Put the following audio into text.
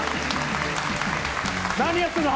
何やってるの！